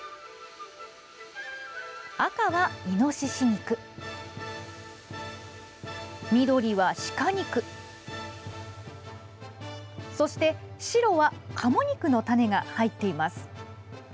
赤はイノシシ肉、緑はシカ肉そして、白は鴨肉のタネが入っています。